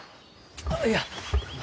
あっいや。